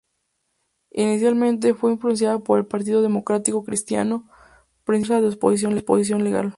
Inicialmente, fue influenciada por el Partido Demócrata Cristiano, principal fuerza de oposición legal.